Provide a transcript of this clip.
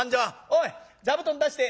「おい座布団出して。